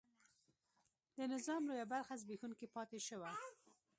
د نظام لویه برخه زبېښونکې پاتې شوه.